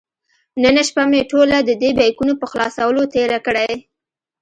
نن شپه مې ټوله د دې بیکونو په خلاصولو تېره کړې.